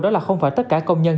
đó là không phải tất cả công nhân